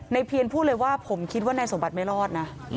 เพียนพูดเลยว่าผมคิดว่านายสมบัติไม่รอดนะ